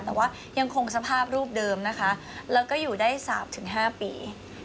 แต่ว่ายังคงสภาพรูปเดิมนะคะแล้วก็อยู่ได้๓๕ปี